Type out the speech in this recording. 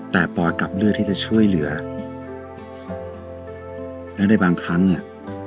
แต่ปอยกลับเลือกที่จะช่วยเหลือและในบางครั้งเนี่ย